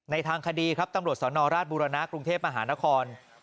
ทางคดีครับตำรวจสนราชบุรณะกรุงเทพมหานคร